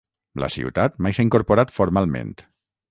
La ciutat mai s"ha incorporat formalment.